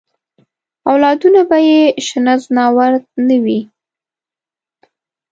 اولادونه به یې شنه ځناور نه وي.